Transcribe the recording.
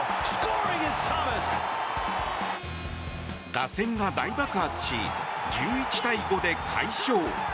打線が大爆発し１１対５で快勝！